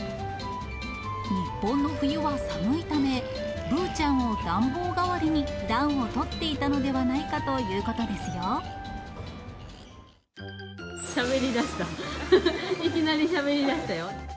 日本の冬は寒いため、ぶーちゃんを暖房代わりに暖をとっていたのではないかということしゃべりだした。